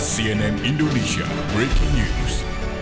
cnn indonesia breaking news